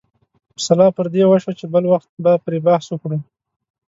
سلا پر دې وشوه چې بل وخت به پرې بحث وکړو.